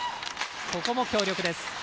ここも強力です。